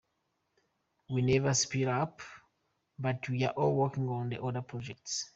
We never split up, but we're all working on other projects.